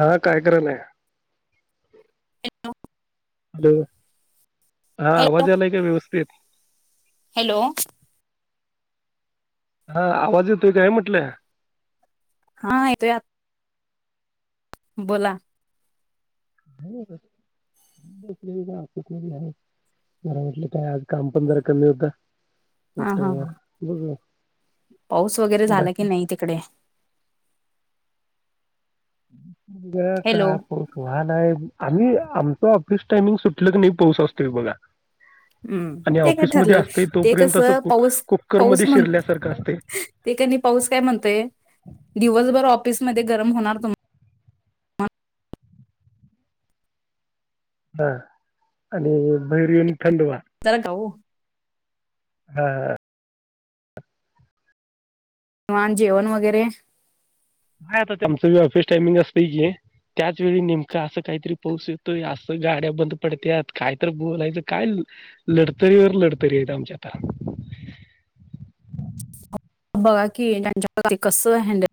हा काय करालाय हॅलो हा हॅलो आवाज आलाय का व्यवस्थित हॅलो हा आवाज येतो काय म्हटलं हा येतोय यात बोला. [unintelligible] जर म्हटलं काय आज काम पण जरा कमी होत हा हा म्हटलं हा बघुया. पाऊस वगैरे झाला की नाही तिकडे? ग हॅलो काको. ह नाही आम्ही आमचं ऑफिस टाइमिंग सुटलं की नाही पाऊस असतोय बघा. हम्म. आणि ते काय ऑफिसमध्ये ठरलेल असतंय ते तोपर्यंत कसं असं पाऊस कुकर पाऊस मध्ये म्हण शिरल्यासारखं असतंय ते कनी पाऊस काय म्हणतोय दिवसभर ऑफिसमध्ये गरम होणार तुम हा आणि भैर येऊन थंड व्हा. तर का वो? हा हा. निवान जेवण वगैरे? काय आता तुमचबी ऑफिस टायमिंग असतय की. त्याच वेळी नेमकां असं काहीतरी पाऊस येतोय, असं गाड्या बंद पडत्यात कायतर बोलायचं काय लडतरीवर लडतरी आमच्या आता. बघा की त्यांच्या कस हॅण्ड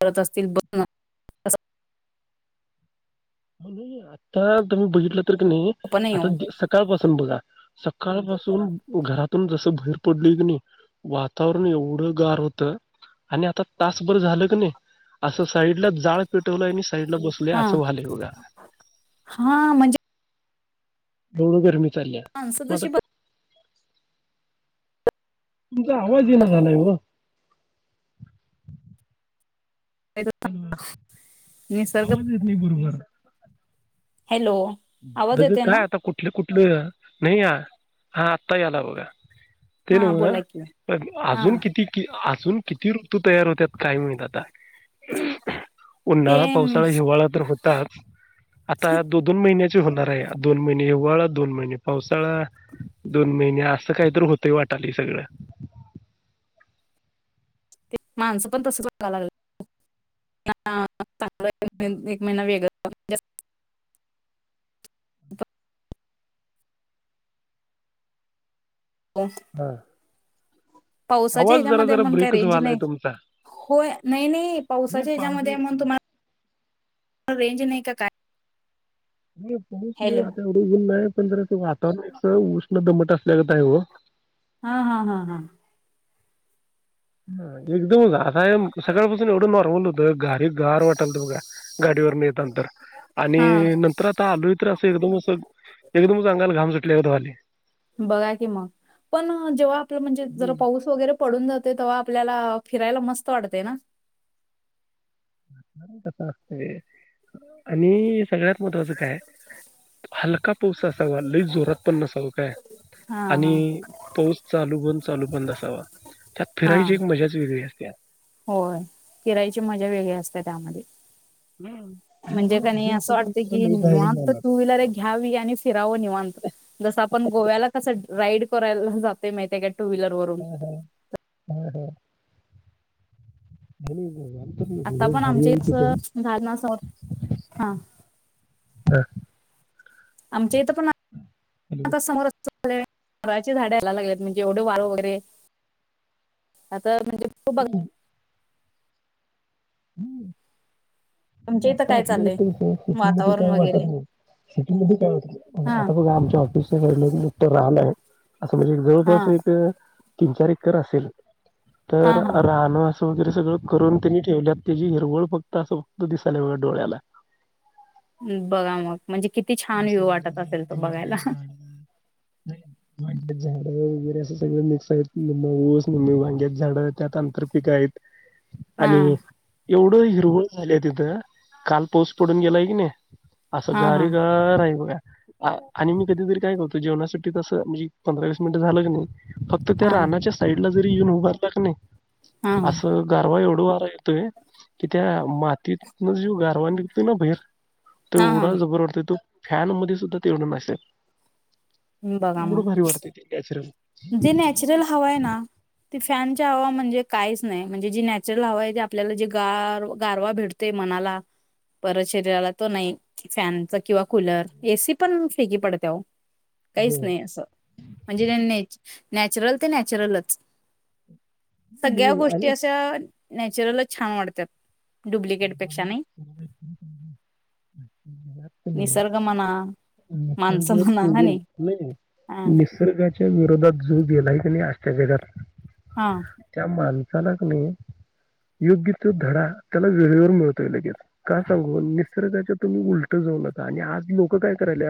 करत असतील ब नाही आता तुम्ही बघितलं तर की नाही पण आता येऊ स सकाळ पाासून बघा सकाळपासून घरातून जसं भैर पडलोय कणी वातावरण एवढं गार होतं. आणि आता तास बर झालं कणी, असं साईडला जाळ पेटवलाय आणि साईडला बस लय हा अस व्हालय बघा. हा म्हणजे? एवढं गरमी चालल्या माणसं म आता जशी तुमचा आवाज येईना झालाय वं निसर्ग नही बरोबर. हॅलो. आवाज दघ येते ना काय आता कुठले कुठले नाही आ हा आत्ता याला बघा. ते हा नवं बोला की हा अजून किती? की अजून किती ऋतू तयार होत्यात काय म्हइत आता? ते उन्हाळा, पावसाळा, हिवाळा तर होताच आता दो दोन महिन्या होणार आहे दोन महिने हिवाळा, दोन महिने पावसाळा. दोन महिने असं काही तर होतय वाटालय सगळं. माणसं पण तस बघा लाग ह चांग [inaudible] एक महिना वेग जास्त पाऊस? हा. पावसाच्या आवाज जरा हच्यामध्ये जरा म्हणून काय ब्रेकच रेंज व्हायलाय नाही. तुमचा हो नाही नाही पावसाच्या हच्यामध्ये म्हणून तुम्हाला रेंज नाही का काय? नाही पाऊस नाय हॅलो आता एवढं उन नाही पण जरा वातावरण उष्ण, दमट असल्यागत हाय वो. हा हा हा हा. ह एकदमच आता सकाळपासून एवढं नॉर्मल होतं घारी गार वाटलत बघा गाडीवरून येताना तर आणि हा नंतर आता आलोय तर असं एकदमच एकदमच अंगाला घाम सुटल्या गत व्हालंय. बघा की मग पण जेव्हा आपलं म्हणजे जरा पाऊस वगैरे पडून जाते तेव्हा आपल्याला फिरायला मस्त वाटते ना? कस असत आणि सगळ्यात महत्वाचं काय हलका पाऊसा असावा लई जोरात पण नसावं काय हा हा आणि पाऊस चालू बंद, चालू बंद असावा. त्यात हा फिरायची एक मजाच वेगळी असते. होय किरायची मजा वेगळी असते त्यामध्ये हम्म. आणि म्हणजे आम्ही काणी आधी असं काही वाटत कि लई बाहेर निवनत जाणार. टू व्हीलर घ्यावी आणि फिरावं निवांत जसं आपण गोव्याला कसं राईड करायला जाते माहिती आहे का टू व्हीलरवरून हो हो हो नाही आता पण भारी आमच्या आहे त इथं झाड ना समोर हा हम आमच्या इथ पण आता समोर चे झाड यायला लागलेत म्हणजे एवढं वारं वगैरे आता म्हणजे खूप बघ ह हम्म आमच्या इथं आता काय आपल्या चाललंय इथे शेतीमध्ये वातावरण काही वगैरे वाटत नाही सिटी म हा आता ब आमच्या ऑफिस र राहलाय असं म्हणजे हा जवळपास एक तीन चार एकर असेल हा तर हा राहणं असं वगैरे सगळं करून त्यांनी ठेवले त्याची हिरवळ फक्त असं दो दिसाल्या व डोळ्याला बघा मग म्हणजे किती छान ऊस व्ह्यू वाटत लावलेलं असेल आहे तो ते बघायला वांग्याची झाडं नाही वांग्यात झाडं वगैरे असं सगळं मिक्स आहेत ऊस न्मी वांग्यात झाडं त्यात अंतर पिक आहेत हा आणि एवढं हिरवळ झाली तिथं काल पाऊस पडून गेलाय की नाही असं हा हा गारी ह रा आहे बघ आणि मी कधीतरी काय करतो जेवणासाठी तसं म्हणजे पंधरा वीस मिनिट झालं क नाही फक्त हा त्या हा रानाच्या साईड ला जरी येऊन उभारला क हा नाही असं गारवा एवढं वाराय की त्या मातीतन ज गारवा निघतो ना बैर त हा हा एवढा जबर तो फॅन म सुद्धा तेवढं नसेल बघा मग एवढं भारी वाटते ते नॅचरल जे नॅचरल हवा आहे ना ती फॅनच्या हवा म्हणजे काहीच नाही म्हणजे जी नॅचरल हवा आहे ती आपल्याला जे गार गारवा भेटते ते म्हनाला परत शरीराला तो नाही फॅनचा किंवा कूलर एसी पण फेकी पडते [inaudible] काहीच बर नाही असं म्हणजे न नॅचरल ते नॅचरलच सगळ्या मी गोष्टी आणि अशा नॅचरल छान वाढतात बला निसर्गमना नाही हा निसर्गाच्या विरोधात जो गेलाही त्यांनी आशत्या करात हा त्या माणसाला क नाही योग्य तो धडा त्याला वेळेवर मिळतोय लगेच का सांगून निसर्गाच्या तुम्ही उलट जाऊ नका आणि आज लोक काय करायले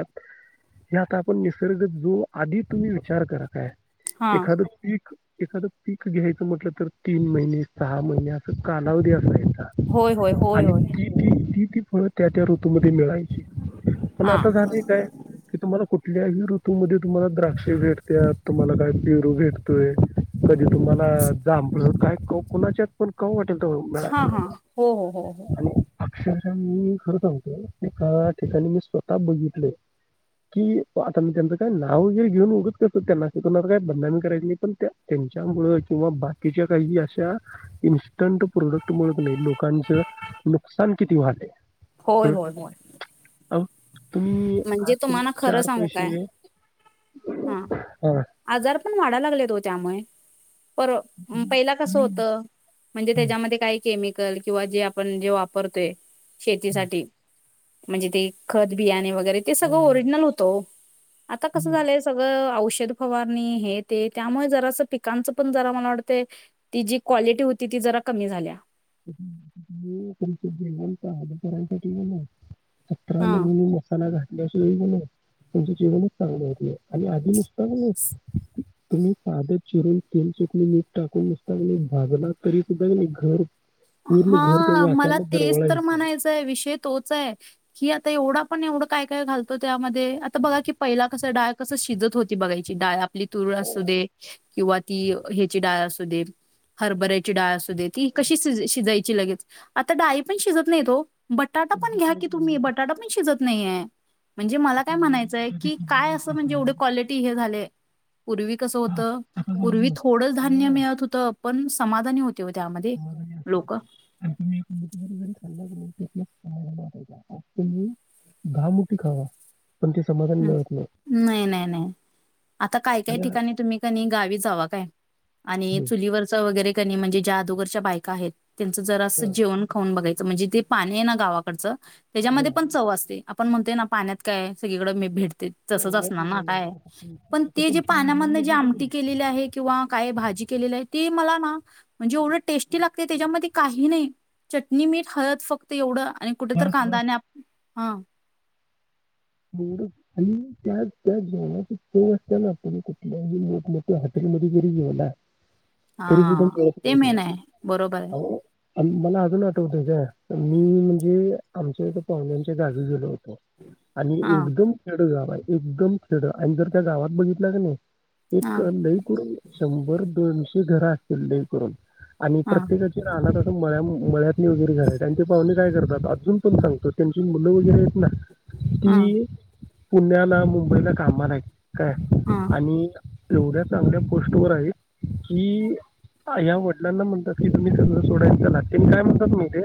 हे आता आपण निसर्ग जो आधी तुम्ही विचार कय हा एखाद पीक एखादं पीक घ्यायचं म्हटलं तर तीन महिने सहा महिने असं कालावधी असायचा होय होय होय आणि होय ती ती ती फळं त्या त्या ऋतूमध्ये मिळायची पण हा आता झाली काय की तुम्हाला कुठल्याही ऋतूमध्ये तुम्हाला द्राक्ष भेटत तुम्हाला काय पेरू भेटतोय कधी तुम्हाला जा काय कुणाच्या आहेत पण क वाटेल तर मिळा हा हा आ हो हो हो हो आणि अक्षरः मी खरं सांगतो एका ठिकाणी मी स्वतः बघितलं कि आता मी त्यांचं काय नाव वगैरे घेऊन उगत करसतो त्यांनाना काही बंधन करायच नाही पण त्यांच्यामुळे किंवा बाकीच्या काही अशा इन्स्टंट प्रोडक्ट मु नाही लोक ांच नुकसान किती वाले होय होय होय हो तुम्ही आज म्हणजे तुम्ही तुम्हाला खरं चार सांगू काय पैसे हा आजार पण वाढा लागलेतो त्यामुळे पर पहिला कसं होत म्हणजे हं, त्याच्यामध्ये काही केमिकल किंवा जे आपण जे वापरतोय शेतीसाठी म्हणजे ते खत बियाणे वगैरे ते सगळं हं, ओरिजनल होतं आता कसं हं. झालंय सगळं औषध फवारणी हे ते त्यामुळे जरास पिकांचं पण जरा मला वाटत ती जी क्वालिटी होती ती जरा कमी झाल्या तुमच जेवणचा हदपांसाठी गेला पत्रन हा म्ह मसाला घातल्या अस बण तुमचं जीवनच चांगली होतीय आणि आधी नुसत तुम्ही साधं चिरून तेल चकले मीठ टाकून नुसता म्ह भागला तरी सुद्धा घर पूर्ण घर त्या हा मला वासानं तेच तर दरवळायचं. म्हणायचंय विषय तोच आहे कि आता एवढा पण एवढं काय काय घालतो त्यामध्ये आता बघा की पहिला कस डाय कसं शिजत होती बघाची डाळ आपली तुरुळ असू दे किंवा ती ह्याची डाळ असू दे हरभऱ्याची डाळ अस ती कशी श शिजाची लगेच आता डाळी पण शिजत नाही तो बटाटा पण घ्या एक्झाक्टली की तुम्ही म्हणजे बटाटा पण शिजत नाहीये म्हणजे मला काय किती म्हणायचंय कुठं ते की किंवा काय असं म्हणजे प्रकार एवढे क्वालिटी हे झाले पूर्वी कसं आता होतं आता पूर्वी समजलं थोडं धान्य नव्ह मिळत होतं पण समाधानी होते त्यामध्ये लोक आणि्हीरी खाल् त्या वाट तुम्ही दहा मुठी खावा पण ते समाधान मिळत नाही नाही नाही नाही आता काय काय आणि हा- ठिकाणी तुम्ही कनी गावी जावा काय आणि हं, चुलीवरच वगैरे कनी म्हणजे ज्या अदोगरच्या बायका आहेत त्यांचं जरा असं हं, जेवण. खाऊन बघायच म्हणजे ते पाणी आहे ना गावाकडच त्याच्यामध्ये हं. पण चव असते. आपण म्हणतोय ना पाण्यात काय सगळीकडें मी भेटते. तसच पाण्यात असणार ना मेन आहे. काय आता तुमच्या पण आता ते जे तुमच्या पाण्यामध जे एरियामध्ये कणी आमटी केलेली आहे, किंवा काय भाजी केलेली आहे ते मला ना म्हणजे एवढं टेस्टी लागते त्याच्यामध्ये काही नाही. चटणी मीठ हळद फक्त एवढं आणि कुठे तर बास बास कांदा आणि, [unintelligible] आणि त्या त्या जेवणाचे फो असताना पुढे कुठल्या मोठमोठ्या हॉटेलमध्ये हा तरी सुद्धा मिळत ते नाही मेन आहे, बरोबर आहे. अहो मला अजून आठवतय काय मी म्हणजे आमच्या इथ पाहुण्यांच्या गावी गेलो होतो. आणि हा एकदम खेड गाव आहे एकदम खेड आणि जर त्या गावात बघितला का नाही हा एक लई करून शंभर दोनशे घर असतील लइ करून आणि हा प्रत्येका च्या, राह त असं मळ्या मळ्यातनी वगैरे झालं त्यांचे पाहुणे काय करतात अजून पण सांगतो त्यांची मुलं वगैरे आहेत ना, हा ती पुण्याला मुंबईला कामाला आहेत काय हा आणि, एवढ्या चांगढ्या पोस्ट वर आहेत कि, ह या्या वडिंना म्हणतात की तुम्ही सगळं सोडायंला त्यां काय म्हणतात मी ते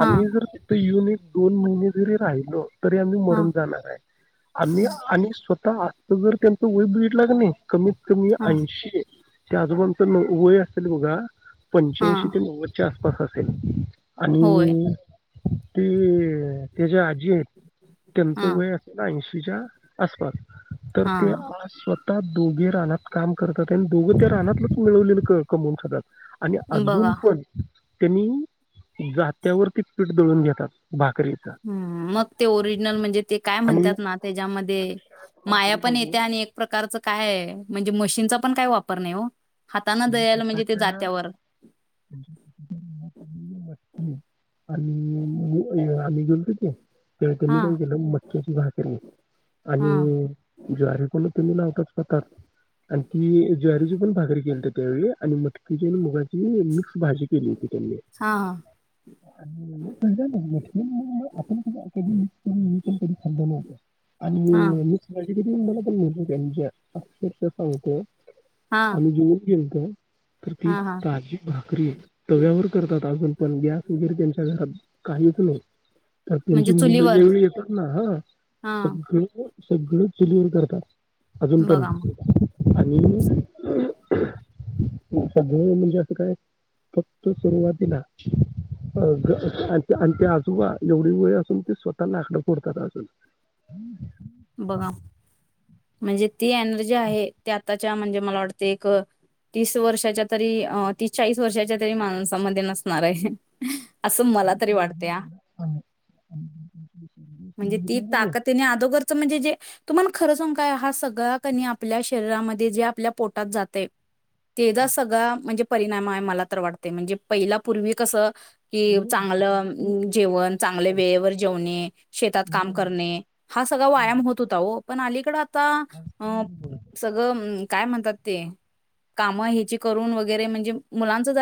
हा आम्ही जर तिथे येऊन एक दोन महिने जरी राहिलो तरी आम्ही हा मरून जाणार आहे आम्ही आणि स्वतः आत जर त्यांच वय बट लाग नाही कमीत कमी हा ऐंशी त्या आजोबांच वय असल बघा हा पंच्याऐंशी ते नव्वदच्या आसपास असेल होय आणि ती त्याच्या, आहेत हा त्यांचं वय आता ऐंशीच्या आसपास तर हा ते, स्वतः दोघे रानात काम करतात आणि दोघं त्या रानातलंच मिळवलेलं कमवून खातात. आणि अजून बघा पण त्यांनी जात्यावरती पीठ दळून घेतात. भाकरीचा. ह् मग ते, ओरिजिनल म्हणजे ते काय आणि म्हणतात ना! त्याच्यामध्ये तुम्हाला माया खरं पण सांगू, येत्या आणि प्रकारचं काय म्हणजे मशीनचा पण काय वापर नाही हो हाताने मी दयायला म्हणजे ते स्वतःच्या जात्यावर, [unintelligible] त्यांनी हा काय केलं मच्छ्याची भाकरी हा आणि ज्वारी पण तुम्ही लावतात का आणि ती ज्वारीची पण भाकरी केलतीत. त्यावेळी आणि मटकीची आणि मुगाची मिक्स भाजी केली होती त्यांनी. हा [unintelligible] आपण अ कधी खालंतं. [unintelligible] हा आम्ही हा जेऊन गेलत तर ती हा हा ताजी भाकरी तव्यावर करतात आजून. पण गॅस वगैरे त्यांच्या घरात काहीच नाही. तर त्यांची म्हणजे मुलं चुलीवर ज्या वेळी येतात ना ह हा सगळी, सगळं चुलीवरर करतात बघा मग अजूनपर्यंत आणि [unintelligible] सगळ म्हणजे असं काय फक्त सुरुवातीला, अ आणि ते आजोबा एवढी वय असून ते स्वतः लाकड फोडतात अजुन, बघा म्हणजे, ती एनर्जी आहे ते आताच्या म्हणजे मला वाटते एक, तीस वर्षाच्या तरी अ तीस चाळीस वर्षाच्या तरी माणसामध्ये नसणार आहे. असं मला तरी वाटते आ सांगितलं म्हणजे ती गेले ताकतीने अदोगरच म्हणजे जे, तुमला खरंच काय हा सगळा कणी आपल्या शरीरामध्ये जे आपल्या पोटात जाते, तेचा सगळा म्हणजे परिणाम आहे मला तर वाटत म्हणजे पहिला पूर्वी कसं, कि नऊ आता चांगलं तुम्ही जेवण, चांगले समजा वेळेवर जेवणे, शेतात काम नऊ करणे. हा सगळा व्यायाम होत होता हो पण अलीकड आता आज काय अ बघा सगळं काय म्हणतात ते, काम ह्याची करून वगैरे म्हणजे मुलांच जरा.